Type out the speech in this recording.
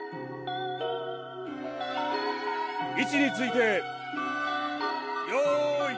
位置についてよい。